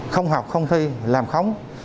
không học không thi làm khóng